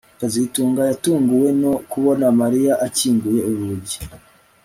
kazitunga yatunguwe no kubona Mariya akinguye urugi